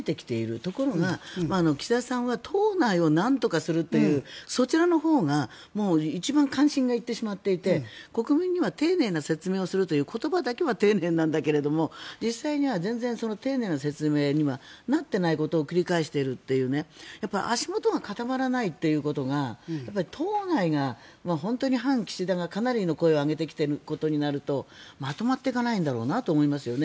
ところが、岸田さんは党内をなんとかするというそちらのほうが一番関心が行ってしまっていて国民には丁寧を説明をするという言葉だけは丁寧なんだけれど実際には全然丁寧な説明にはなってないことを繰り返しているという足元が固まらないということが党内が本当に反岸田がかなりの声を上げてきていることになるとまとまっていかないんだろうなと思うんですよね。